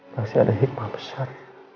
masih ada hikmah besar